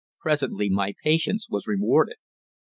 Presently my patience was rewarded.